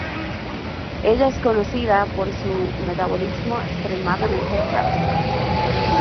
Ella es conocida por su metabolismo extremadamente rápido.